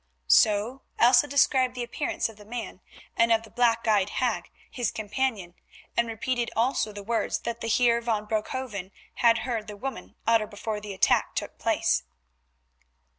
So Elsa described the appearance of the man and of the black eyed hag, his companion, and repeated also the words that the Heer van Broekhoven had heard the woman utter before the attack took place.